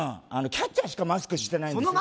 キャッチャーしかマスクしてないんですよ